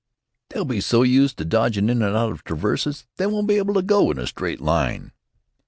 They'll be so used to dodgin' in an' out o' traverses they won't be able to go in a straight line."